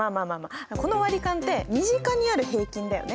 この割り勘って身近にある平均だよね。